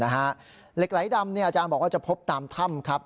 เหล็กไหลดำอาจารย์บอกว่าจะพบตามถ้ำครับ